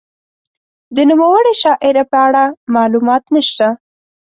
د نوموړې شاعرې په اړه معلومات نشته.